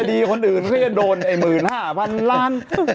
ไอ้คดีคนอื่นก็จะโดนไอ้๑๕๐๐๐ล้าน๑๐๐๐๐๐ล้าน